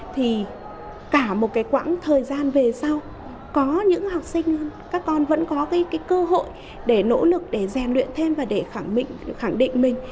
thì cả một cái quãng thời gian về sau có những học sinh hơn các con vẫn có cái cơ hội để nỗ lực để rèn luyện thêm và để khẳng định mình